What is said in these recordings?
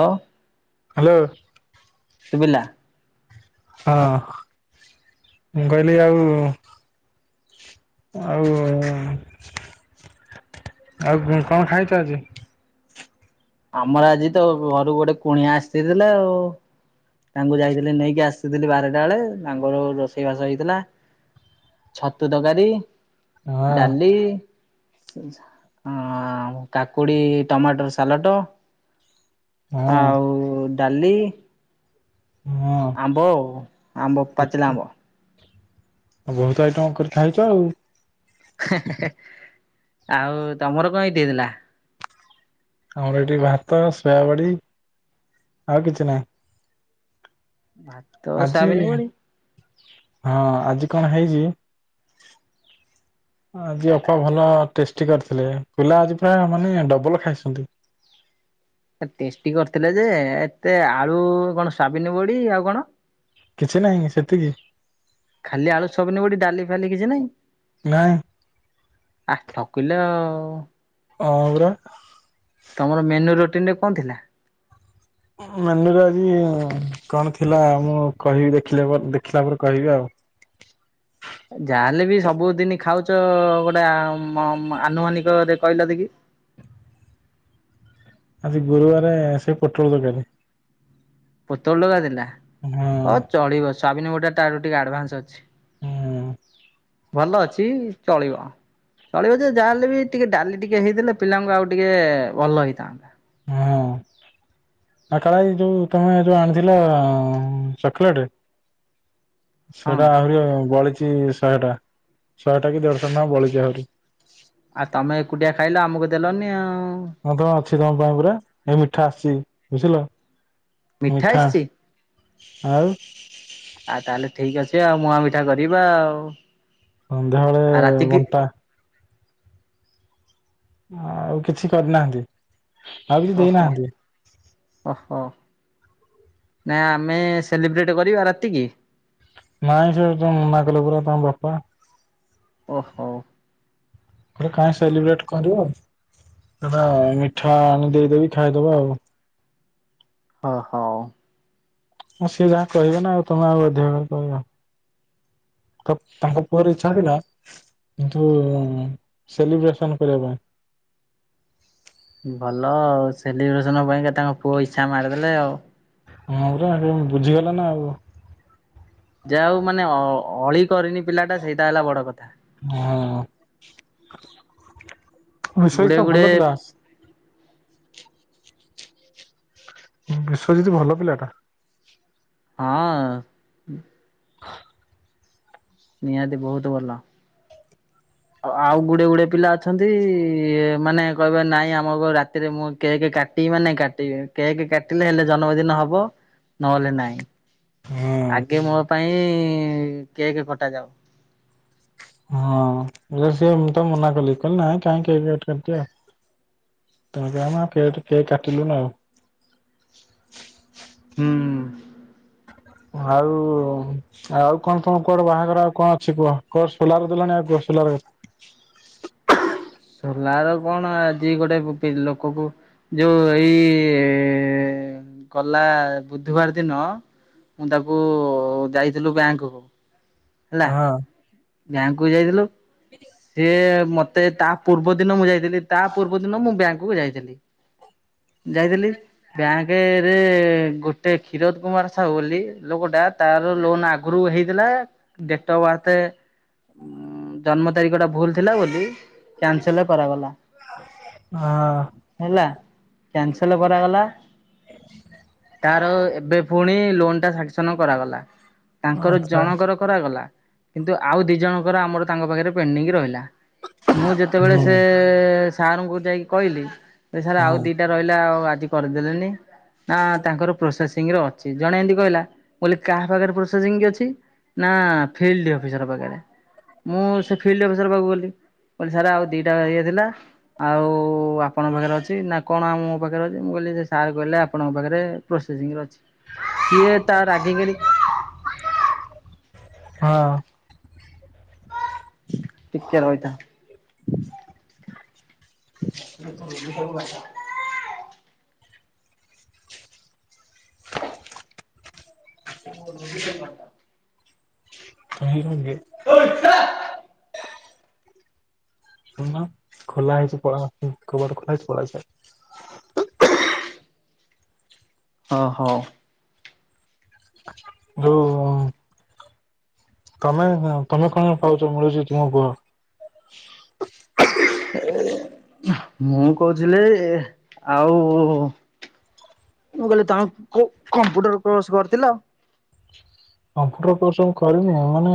ହଁ ଅ ଶୁଭିଲା ହଁ ମୁଁ କହିଲି ଆଉ ଆଉ ଆଉ କ କଣ ଖାଇଛ ଆଜି? ଆମର ଆଜି ତ ଘରୁ ଗୋଟେ କୁଣିଆ ଆସିଥିଲେ ଆଉ ତାଙ୍କୁ ଯାଇଥିଲି ନେଇକି ଆସିଥିଲି ବାରଟା ବେଳେ ତାଙ୍କର ରୋଷେଇ ବାସ ହେଇଥିଲା। ଛତୁ ତକାରୀ, ହଁ ଡାଲି ଅଁ କାକୁଡି ଟମାଟୋ ର ସାଲଟ ହଁ ଆଉ ଡାଲି ହଁ ଆମ୍ବ ଉ ଆମ୍ବ ପାଚିଲ ଆମ୍ବ ବହୁତ ଆଇଟମ କରି ଖାଇଛ ଆଉ ହେଁ ହେଁ ହେଁ ଆଉ ତମର କଣ ଏଇଠି ହେଇଥିଲା ଆମର ଏଠି ଭାତ ଶୋୟାବଡି ଆଉ କିଛି ନାହିଁ। ଭାତ ଆଜି ସୋୟାବିନ ବଡି। ହଁ ଆଜି କଣ ହେଇଛି ଆଜି ଅପା ଭଲ ଟେଷ୍ଟ୍ ଟି କରିଥିଲେ ପିଲା ଆଜି ପ୍ରାୟ ମାନେ ଡବଲ ଖାଇଛନ୍ତି। ଟେଷ୍ଟି କରିଥିଲେ ଯେ ଏତେ ଆଳୁ କଣ ସ୍ୱାବିନ ବଡି ଆଉ କଣ? କିଛି ନାହିଁ ସେତିକି ଖାଲି ଆଳୁ ସବିନ ବଡ଼ି ଫାଲି କିଛି ନହିଁ? ନାଇଁ ଆ ଠକିଲ ଆଉ ଆର ତମର ମେନୁ ରୋଟିନ ରେ କଣ ଥିଲା? ଅଁହଁ ମେନୁ ଆଜି କଣ ଥିଲା ମୁଁ କହିବି ଦେଖିଲ ପର୍ ଦେଖିଲା ପରେ କହିବି ଆଉ। [inaudible] ଯାହାେଲେ ବି ସବୁଦିନି ଖାଉଛ ଗୋଟେ ଅମ୍ ଆନୁମାନିକରେ କହିଲ ଦେ କି ଆଜି ଗୁରୁବାର ସେ ପୋଟଳ ତରକାରୀ। ପୋତଳ ଟଗା ଦେଲା ହଁ ହଉ ଚଳିବ ସ୍ୱାବିନ ଗୋଟା ଟ ଟିକେ ଆଡ଼ଭାନ୍ସ ଅଛି। ହୁଁ ଭଲ ଅଛି ଚଳିବ। ଚଳିବ ଯେ ଯାହାହେଲେ ବି ଟିକେ ଡ଼ାଲି ଟିକେ ହେଇଥିଲେ ପିଲାଙ୍କୁ ଆଉ ଟିକେ ଭଲ ହେଇଥାନ୍ତା। ହୁଁ। ଆ କାଳାଇ ଯୋଉ ତମେ ଯୋଉ ଆଣିଥିଲ ଚକୋଲେଟ ହଁ ସେଟା ଆହୁରି ବଳିଛି ଶହେଟା ଶହେଟା କି ଦେଢ଼ଶହ ଙ୍କ ବଳିଛି ଆହୁରି। ଆଉ ତମେ ଏକୁଟିଆ ଖାଇଲ ଆମକୁ ଦେଲନି। ହଁ ତମ ଅଛି ତମ ପାଇଁ ପରା ଏ ମିଠା ଆସିଛି ବୁଝିଲ। ମିଠା ଆସିଚି। ଆଉ ଯିବା ମୁହାଁ ମିଠା କରିବା ଆଉ। ଆଉ ସନ୍ଧ୍ୟାବେଳେ ରାତିକି ବଣ୍ଟା ଆଉ କିଛି କରିନାହାନ୍ତି ଆଉ କିଛି ଓହୋ ଦେଇନାହାନ୍ତି। ଓହୋ ନା ଆମେ ସେଲିବ୍ରେଟ କରିବା ରାତି କି। ନାଇଁ ସେ ତ ମନା କଲେ ପୁରା ତାଙ୍କ ବାପା। ଓହୋ। କହିଲି କାଇଁ ସେଲିବ୍ରେଟ କରିବ ସେଟା ମିଠା ଆଣି ଦେଇଦେବି ଖାଇଦବା ଆଉ। ହ ହଉ। ଆଉ ସିଏ ଯାହା କହିବ ନା ଆଉ ତମେ ଆଉ ଅଧିକ କହିବ। ତ ତାଙ୍କ ପୁଅର ଇଛାଥିଲା କିନ୍ତୁ ସେଲିବ୍ରେସନ କରିବା ପାଇଁ। ଭଲ ଆଉ ସେଲିବ୍ରେସନ ପାଇଁକା ତାଙ୍କ ପୁଅ ଇଚ୍ଛା ମାରିଦେଲେ ଆଉ। ହୁଁ ର ହୁଁ ବୁଝିଗଲା ନା ଆଉ। ଯାହା ହଉ ମାନେ ଅ ଅଳି କରିନି ପିଲାଟା ସେଇଟା ହେଲା ବଡ଼ କଥା। ହଁ ଶ ଗୁଡେ ତ ଗୁଡେ ଭଲ କିଲାସ ବିଶ୍ୱଜିତ୍ ଭଲ ପିଲା ଟା। ହଁ। ନିହାତି ବହୁତ ଭଲ। ଆଉ ଗୁଡ଼େ ଗୁଡ଼େ ପିଲା ଅଛନ୍ତି ମାନେ କହିବା ନାଇଁ ଆମକୁ ରାତିରେ ମୁଁ କେକ୍ କାଟିବି ମାନେ କାଟିବେ କେକ୍ କାଟିଲେ ହେଲେ ଜନ୍ମଦିନ ହବ। ନହେଲେ ନାଇଁ ହୁଁ ଆଗେ ମୋ ପାଇଁ ଇଁ କେକ୍ କଟା ଯାଉ। ହଁ ଜସି ମୁ ତ ମନା କଲି କହିଲି ନା କାହିଁ କେକ୍ କାଟି ତାପ ଆମ କେକ୍ କେକ୍ କାଟିଲୁ ନା ଆଉ ହୁଁ। ଆଉ ଆଉ କଣ ତଣ କୋଡ଼ ବାହାଘର ଆଉ କଣ ଅଛି କୁହ କୋ ସୋଲାର ଦେଲଣି ଆଉ [unintelligible] ସୋଲାର କଣ ଆଜି ଗୋଟେ ପି ଲୋକକୁ ଯୋଉ ଏଇ ଗଲା ବୁଧୁବାର ଦିନ। ମୁଁ ତାକୁ ଯାଇଥିଲୁ ବ୍ୟାଙ୍କକୁୁ ହଁ। ବ୍ୟାଙ୍କ କୁ ଯାଇଥିଲୁ। ସିଏ ମତେ ତା ପୂର୍ବ ଦିନ ମୁଁ ଯାଇଥିଲି ତା ପୂର୍ବ ଦିନ ମୁଁ ବ୍ୟାଙ୍କକୁ ଯାଇ ଥିଲି ଯାଇଥିଲି ବ୍ୟାଙ୍କରେ ଗୋ ଟେ କ୍ଷୀରୋଦ କୁମାର ସାହୁ ବୋଲି ଲୋକଟା ତାର ଲୋନ୍ ଆଗରୁ ହେଇଥିଲା ଡ଼େଟଫ ବାର୍ଥ ଜନ୍ମ ତାରିଖ ଟା ଭୁଲ ଥିଲା ବୋଲି କ୍ୟାନସେଲ କରାଗଲା। ହଁ ହେଲା କ୍ୟାନସଲ କରାଗଲା। ତାର ଏବେ ପୁଣି ଲୋନ ଟା ସାକସନ୍ କରାଗଲା। ତାଙ୍କର ଆଚ୍ଛା ଜଣଙ୍କର କରାଗଲା କିନ୍ତୁ ଆଉ ଦି ଜଣଙ୍କର ଆମର ତାଙ୍କ ପାଖରେ ପେଣ୍ଡିଂ ରହିଲା। ମୁଁ ଯେତେବେଳେ ସେ ହୁଁ ସାର୍ଙ୍କୁ ଯାଇକି କହିଲି ସାର୍ ଆଉ ଦିଟା ରହିଲା ଆଉ ଆଜି କରିଦେଲେଣିି ନା ତାଙ୍କର ପ୍ରୋସେସ ସିଂରେ ଅଛି ଜଣେ ଏମିତି କହିଲା ମୁଁ କହିଲି କାହା ପାଖରେ ପ୍ରୋସ ସିଂରେ ଅଛି ନା ଫିଲ୍ଡ ଅଫିସର ପାଖରେ ମୁଁ ସେ ଫିଲ୍ଦ ଅଫିସର ପାଖକୁ ଗଲି। କିହିଲି ସାର ଆଉ ଦିଟା ଇଏ ଥିଲା ଆଉ ଆପଣଙ୍କ ପାଖରେ ଅଛି ନା କଣ ମୋ ପାଖରେ ଅଛି ମୁଁ କହିଲି ସେ ସେ ସାର କହିଲେ ଆପଣଙ୍କ ପାଖରେ ପ୍ରୋସେସିଂ ରେ ଅଛି କିଏ ତା ରାଗିକିରି [unintelligible] ହଁ। ଟିକ ରଇଥା। ସବୁଛ [inaudible] ଓ ଭମାଟ [inaudible] ହ [inaudible] ଖୋଲା ହେଇଛି ପଳା କବା ଖୋଲା ହେଇଛି ପଳେଇ ଆସ। ହଁ ହଉ। ଯୋଉ ତମେ ତମେ କଣ ପାଉଛ ମିଳୁଛି ତୁମ କୁହ? [inaudible] ମୁଁ କହୁଥିଲି ଇ ଆଉ ମୁଁ କହିଲି ତାଙ୍କୁ କମ୍ପୁଟର କୋର୍ସ କରିଥିଲ। କମ୍ପୁଟର କୋର୍ସ ମୁଁ କରିନି ମାନେ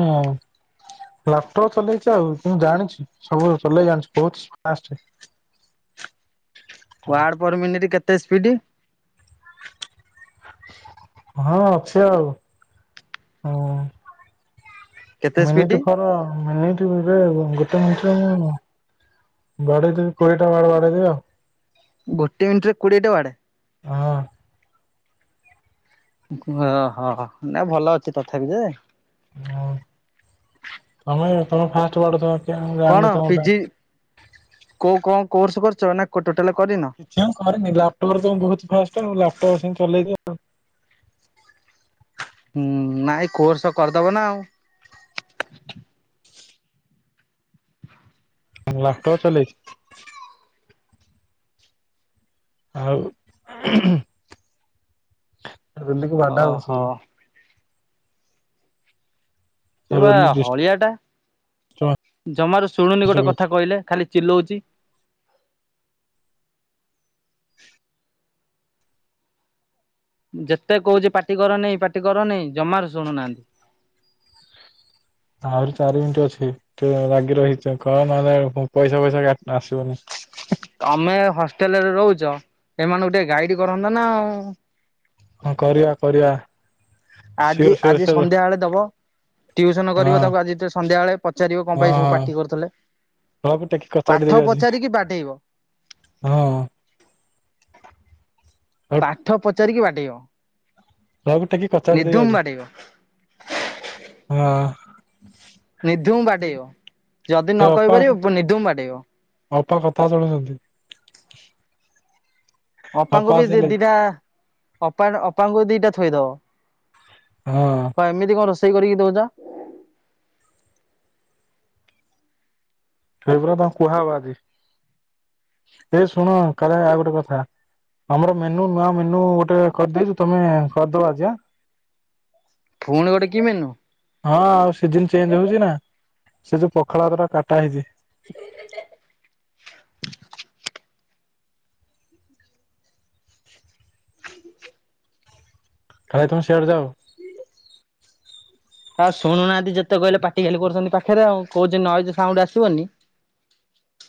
ଲାପଟପ ଚଲେଇଛି ଆଉ ମୁ ଜାଣିଛି ସବୁ ଚଲେଇ ଜାଣିଛି ବହୁତ ଫାଷ୍ଟ ହ [unintelligible] ୱାଡ ଫର ମିନିଟ କେତେ ସ୍ପିଡ? ହଁ ଅଛ ଆଉ କେତେ ହଁ। ସ୍ପିଡ ମିନିଟ ଫର ମିନି ରେ ଗୋଟେ ମିଟିରେ ବାଡେଇଦେବି କୋଇଟା ବାଡ ବାଡେଇଦେବି ଆଉ। ଗୋଟେ ମିନିଟରେ କୋଡିଏଟା ବାଡେ ହଁ। ଓ ହହଁ ନାଇଁ ଭଲ ଅଛି ତଥାପି ଯେ ହ ତମେ ତମ ଫାଷ୍ଟ ବାଡଉଚ ମୁଁ କଣ ଜାନନୀ ତମଟା। ପିଜି କୋଉ କଣ କୋର୍ସ କରୁଛ ନା କ କିଛି ଆଉ କରିନି ଲାପଟପରେ ତମେ ବହୁତ ଫାଷ୍ଟ ଲାପଟପ ସେମି ଚଲେଇ ବି ଆଉ ହୁଁ ନାଇଁ କୋର୍ସ କରିଦବ ନା ଆଉ। ଲାପଟପ ଚଲେଇଛି। ଆଉ ବିଲୁକୁ ବାଡା ଓହୋ ହଉଚି। ସେ ବା ରୋଲି ହଳିଆ ଟା ଡିଷ୍ଟର୍ବାନ୍ସ ଜମାରୁ ଶୁଣୁନି ଗୋଟେ କରୁଛି। କଥା କହିଲେ ଖାଲି ଚିଲଉଛି। ଯେତେ କହୁଛି ପାଟିକରନେଇ ପାଟିକରନେଇ ଜମାରୁ ଶୁଣୁନାହାନ୍ତି। [unintelligible] ଆହୁରି ଚାରି ମିନିଟ ଅଛି ଟେ ଲାଗି ରହିଛ କହ ନହେଲେ ପଇସା ଫଇସାା ଆସିବନି? ତମେ ହଷ୍ଟେଲରେ ରହୁଛ ଏମାନଙ୍କୁ ଟିକେ ଗାଇଡ କରନ୍ତ ନା ଆଉ। ହ କରିବା କରିବା। ଆଜି ସିଓର ସିଓର ଆଜି ସିଓର ସନ୍ଧ୍ୟା ବେଳେ ଦବ। ଟିଉସନ କରିବ ହଁ ତାକୁ ଆଜିଟିକେ ସନ୍ଧ୍ୟା ବଳେ ପଚାରିବ କଣ ପାଇଁ ସବୁ ପାର୍ଟି କରୁଥିଲେ। ହମୁଁ ଟେକି ପାଠ କଚାଡି ଆଜି ପଚାରିକି ବାଡେଇବ। ହଁ? ପାଠ ପଚାରିକି ବାଡ଼େଇବୁ। ତାକୁ ଟେକିକି କଚାଡିଦେବି ଆଜି ହଁ? ନିଧୁମ ବାଡେଇବ ଯଦି ନ କହିପାରିବ ପୁଣି ନିଧୁମ ବାଡେଇବ। ଅଳ୍ପ କଥା ଶୁଣୁଚନ୍ତି। ଅପାଙ୍କୁ ବିି ଦି ଦିଟା ଅପା ନ ଅପାଙ୍କୁ ବି ଦିଇଟା ଥୋଇଦବ। ହଁ କଣ ଏମିତି କଣ ରୋଷେଇ କରିକି ଦୋଉଚ। ସେଗୁରା ତାଙ୍କୁ କୁହା ହବ ଆଜି ଏ ଶୁଣ କାଳେ ଆଉ ଗୋଟେ କଥା। ଆମର ମେନୁ ନୂଆ ମେନୁ ଗୋଟେ କରିଦେଇଚୁ ତମେ କରିଦବା ଆଜି ଆଁ। ଫୁଣି ଗୋଟେ କି ମେନୁ? ହଁ ଆଉ ସିଜନ ଚେଞ୍ଜ ହୋଉଚିନା ସେ ଯୋଉ ପଖାଳ ଭାତଟା କାଟା ହେଇଚି। [inaudible] ଖାଇବା ତମେ ସିଆଡେ ଯାଅ? ଆ ଶୁଣୁନାହାନ୍ତି ଯେ ଯେତେ କହିଲେ ପାଟି ଖାଲି କରୁଚନ୍ତି ପାଖେରେ ଆଉ କୋହୁଚି ନଏଜ ସାଉଣ୍ଡ ଆସିବନି।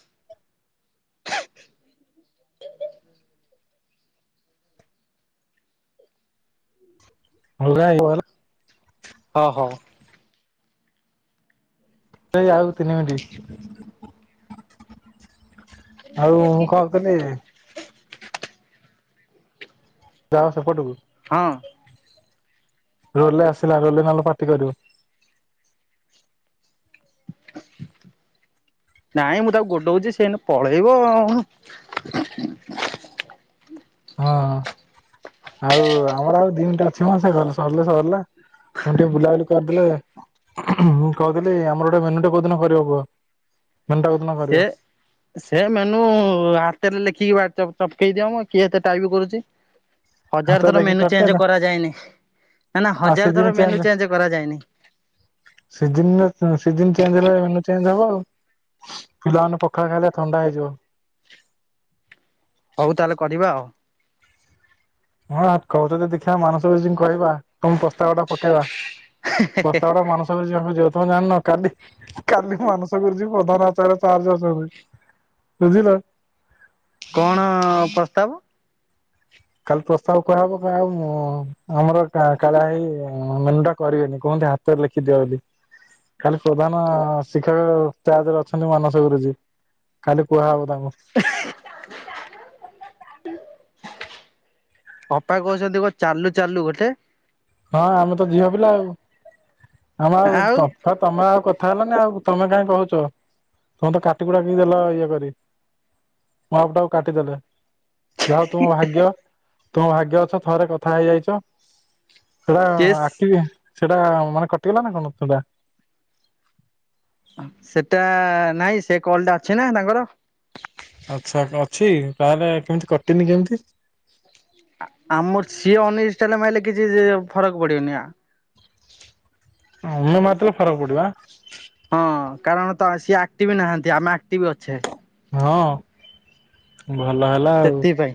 [inaudible] ଅଲଗା। [unintelligible] ଅଂ ହଉ। ସେଇ ଆଉ ତିନି ମିନଟି। ଆଉ ମୁଁ କଣ କଲି ଯାଅ ସେପଟକୁ। ହଁ। ରୋଲରେ ଆସିଲା ରୋଲେ ନହେଲେ ପାଟି କରିବ। [inaudible] ନାଇଁ ମୁଁ ତାକୁ ଗୋଡ଼ଉଚି ସିଏ ଏଇନେ ପଳେଇବ। ହଁ। ଆଉ ଆମର ଆଉ ଦି ମିନିଟ ଅଛି ମ ସେ ଗଲେ ସରିଲେ ସରିଲା। ହୁଁ ଟିକେ ବୁଲାବୁଲି କରିଦେଲେ ହୁଁ ହୁଁ ମୁଁ କୋହୁଥିଲି ଆମର ଗୋଟେ ଭେନୁଟେ କୋଉଦିନ କରିବ କୁହ? ମେନୁ ଟା କୋଉଦିନ ସେ କରିବ ସେ ମେନୁ ଆର୍ ତେଲରେ ଲେଖିକି ବା ଚପ ଚପକେଇ ଦିଅମ କିଏ ଏତେ ଟାଇପ କରୁଚି। ହଜାରେ ହାତରେ ଥର ଲେଖି ମେନୁ ଚେଞ୍ଜ ଚଟକେଇଲା କରାଯାଏନି। ନା ନା ଆଉ ହଜାରେ ଥର ମେନୁ ଚେଞ୍ଜ କରାଯାଏନି। ସିଜନର ଅ ସିଜନ ଚେଞ୍ଜ ହେଲା ବେଳେ ମେନୁ ଚେଞ୍ଜ ହବ ଆଉ। ପିଲାମାନେ ପଖାଳ ଖାଇଲେ ଥଣ୍ଡା ହେଇଯିବ। ହୋଉ ତାହେଲେ କଢିବା ଆଉ। ହଁ କରୁ ଯଦି ଦେଖିଆ ମାନସ ଗୁରୁଜୀଙ୍କୁ କହିବା। ତମ ପ୍ରସ୍ତାବଟା ପକେଇବା ପ୍ରସ୍ତାବଟା ମାନସ ଗୁରୁଜୀଙ୍କୁ ଯିବ। ତମେ ଜାଣିନ କାଲି କାଲି ମାନସ ଗୁରୁଜି ପ୍ରଧାନ ଆଚାର୍ଯ୍ୟର ଚାର୍ଜରେ ଅଛନ୍ତୁ। ବୁଝିଲ। କଣ ପ୍ରସ୍ତାବ? କାଲି ପ୍ରସ୍ତାବ କୁହାହବ କୁହାହବ ମୋ ମନର କା କାଲା ହେଇ ଏଁ ମେନୁଟା କରିବେନି କଁ ହେ ଏଟା ହାତରେ ଲେଖିଦିଅ ବୋଲି। କାଲି ପ୍ରଧାନ ଶିକ୍ଷକ ଚାର୍ଜରେ ଅଛନ୍ତି ମାନସ ଗୁରୁଜୀ କାଲି କୁହାହବ ଦମ ଅପା କୋହୁଚନ୍ତି କ ଚାଲୁ ଚାଲୁ ଗୋଟେ। ହଁ ଆମେ ତ ଝିଅ ପିଲା ଆଉ। ଆମେ ଆଉ ତ ଆଉ ତମେ ଆଉ କଥା ହେଲାନି ଆଉ ତମେ କାଇଁ କୋହୁଚ ତମେ ତ କାଟିକୁଟାକି ଦେଲ ଇଏ କରି। ମଅ ପଟାକୁ କାଟିଦେଲେ। ଯାହା ହୋଉ ତୁମ ଭାଗ୍ୟ ତୁମ ଭାଗ୍ୟ ଅଛ ଥରେ କଥା ହେଇଯାଇଚ। ପୁରା ସିଏ ଆକଟଭି ସେଟା ମାନେ କଟିଗଲା ନା କଣ ସେଟା? ସେଟା ଆ-ନାହିଁ ସେ କଲ ଟା ଅଛି ନା ତାଙ୍କର। ଆଚ୍ଛା ଅଛି ତାହେଲେ କେମିତି କଟିନି କେମିତି? ଆମର ସିଏ ଅନିଷ୍ଟାଲ ମାଇଲେ କିଛି ଫରକ୍ ପଡିବନି ଆ ଆମେ ମାରିଦବୁ ଫରକ୍ ପଡିବ ଆ କାରଣ ତ ସିଏ ଆକ୍ଟିଭ ନାହାନ୍ତି ଆମେ ଆକ୍ଟିଭ ଅଛେ। ହଁ ଭଲ ହେଲା ଆଉ। ସେଥିପାଇଁ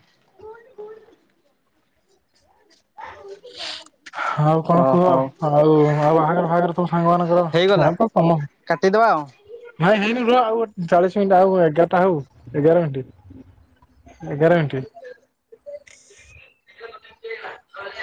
ଆଉ କଣ ଓ ଖବର ହଉ ଆଉ ଆଉ ବାହାଘର ପାହାଘର ସୁ ସାଙ୍ଗ ମାନଙ୍କର ଯ ହେଇଗଲା କାଟିଦବା ଆଉ। ନାଇଁ ହେଇନି ଆଉ ଗୋ ଚାଳିଶ ମିନିଟ ଆଉ ଏଗାରଟା ହଉ ଏଗାର ମିଣ୍ଟି। ଏଗାର ମିଣ୍ଟି।